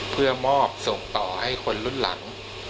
เพื่อมอบส่งต่อให้คนรุ่นหลัง